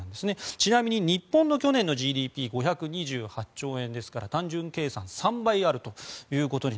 ちなみに日本の去年のＧＤＰ５２８兆円ですから単純計算で３倍あると。